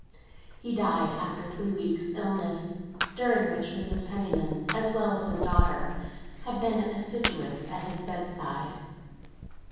He died after three weeks' illness, during which Mrs. Penniman, as well as his daughter, had been assiduous at his bedside.